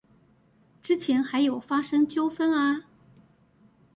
之前還有發生糾紛啊！